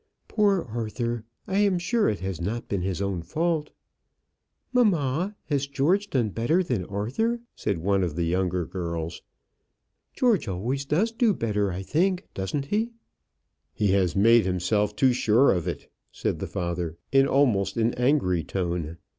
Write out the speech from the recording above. "Poor Arthur! I am sure it has not been his own fault." "Mamma, has George done better than Arthur?" said one of the younger girls. "George always does do better, I think; doesn't he?" "He has made himself too sure of it," said the father, in almost an angry tone.